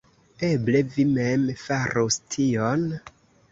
Eble vi mem farus tion?